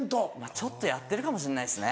ちょっとやってるかもしんないですね